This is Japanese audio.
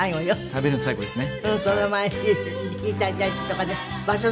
食べるの最後ですね。